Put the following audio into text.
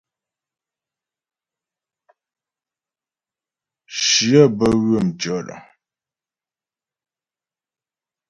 Shyə bə́ ywə̌ tʉ̂ɔdəŋ.